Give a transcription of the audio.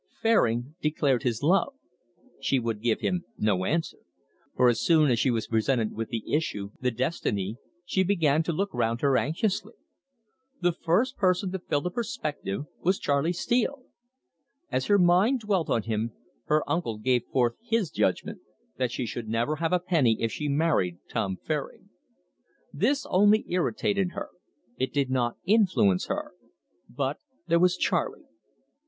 Fairing declared his love. She would give him no answer. For as soon as she was presented with the issue, the destiny, she began to look round her anxiously. The first person to fill the perspective was Charley Steele. As her mind dwelt on him, her uncle gave forth his judgment, that she should never have a penny if she married Tom Fairing. This only irritated her, it did not influence her. But there was Charley.